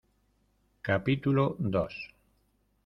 capítulo dos.